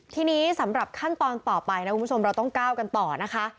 ทีนี้สำหรับขั้นตอนต่อไปนะคุณผู้ชมเราต้องก้าวกันต่อนะคะ